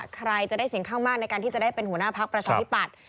ใครจะได้เสียงข้างมากในการที่จะได้เป็นหัวหน้าพักประชาธิปัตย